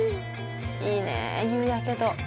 いいね夕焼けと。